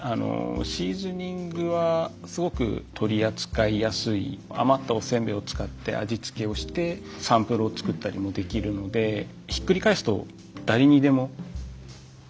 シーズニングはすごく取り扱いやすい余ったおせんべいを使って味付けをしてサンプルを作ったりもできるのでひっくり返すとはあ。